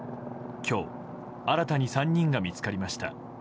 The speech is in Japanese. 今日新たに３人が見つかりました。